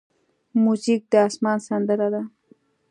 موزیک د آسمان سندره ده.